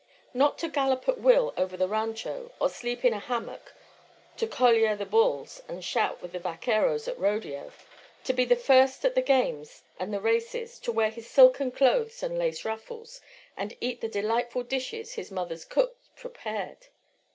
Not to gallop at will over the rancho, or sleep in a hammock, to coliar the bulls and shout with the vaqueros at rodeo, to be the first at the games and the races, to wear his silken clothes and lace ruffles, and eat the delightful dishes his mother's cooks prepared!